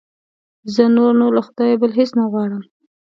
زه نور نو له خدایه بل هېڅ نه غواړم.